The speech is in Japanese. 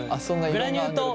グラニュー糖４ｇ。